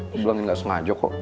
dibilang ini gak sengaja kok